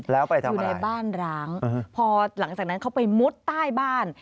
แล้วอยู่ในบ้านร้างพอหลังจากนั้นเขาไปมุดใต้บ้าน